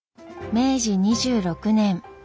明治２６年。